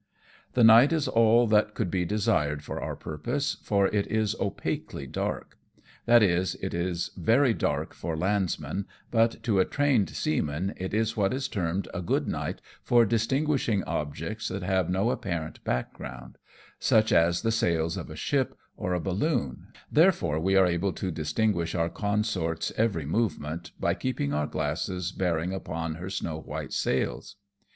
The night is all that could be desired for our purpose, for it is opaquely dark ; that is, it is very dark for landsmen, but to a trained seaman it is what is termed a good night for distinguishing objects that have no apparent background ; such as the sails of a ship, or a balloon, therefore we are able to distinguish our consort's every movement, by keeping our glasses bear ing upon her snow white sails.